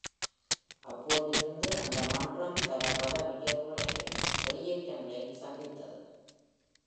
அப்போதிலிருந்து அந்த மன்றம் பல பதவி உயர்வுகளையும் வெளியேற்றங்களையும் சந்தித்தது.